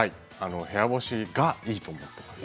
部屋干しがいいと思ってます。